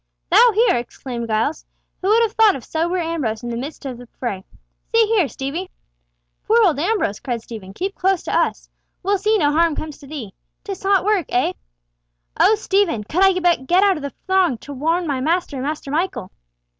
"Thou here!" exclaimed Giles. "Who would have thought of sober Ambrose in the midst of the fray? See here, Stevie!" "Poor old Ambrose!" cried Stephen, "keep close to us! We'll see no harm comes to thee. 'Tis hot work, eh?" "Oh, Stephen! could I but get out of the throng to warn my master and Master Michael!"